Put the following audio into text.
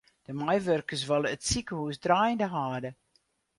De meiwurkers wolle it sikehús draaiende hâlde.